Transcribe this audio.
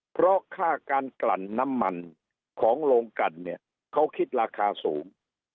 เพราะค่าการกลั่นน้ำมันของโรงกันเนี่ยเขาคิดราคาสูง